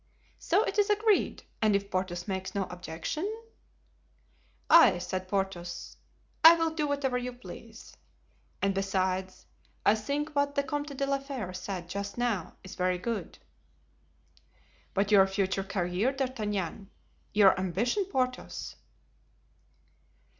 "So it is agreed, and if Porthos makes no objection——" "I," said Porthos, "I will do whatever you please; and besides, I think what the Comte de la Fere said just now is very good." "But your future career, D'Artagnan—your ambition, Porthos?"